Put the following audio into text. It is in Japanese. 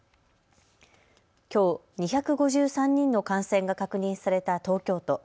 きょう２５３人の感染が確認された東京都。